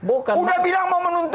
udah bilang mau menuntut kepoisi